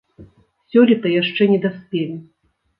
Сёлета яшчэ не даспелі.